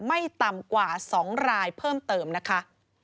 ไม่ต่ำกว่า๒รายเพิ่มเติมนะคะ